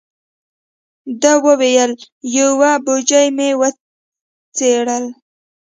ده و ویل: یوه بوجۍ مې وڅیرله.